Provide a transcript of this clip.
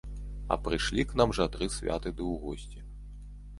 А прыйшлі к нам жа тры святы ды ў госці.